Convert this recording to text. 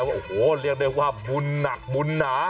โอ้โหเรียกได้ว่าบุญหนักบุญหนา